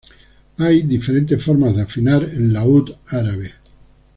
Hay diferentes formas de afinar el laúd árabe.